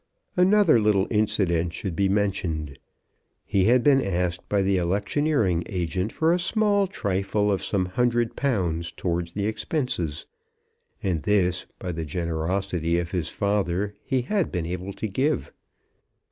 Another little incident should be mentioned. He had been asked by the electioneering agent for a small trifle of some hundred pounds towards the expenses, and this, by the generosity of his father, he had been able to give.